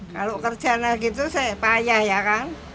kalau kerjanya gitu saya payah ya kan